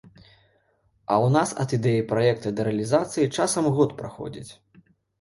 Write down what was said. А ў нас ад ідэі праекта да рэалізацыі часам год праходзіць!